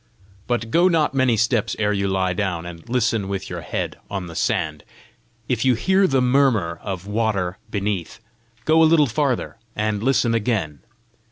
But go not many steps ere you lie down, and listen with your head on the sand. If you hear the murmur of water beneath, go a little farther, and listen again.